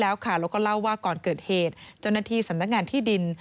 แล้วก็เล่าว่าก่อนเกิดเหตุเจ้าหน้าที่สำนักงานที่ดิน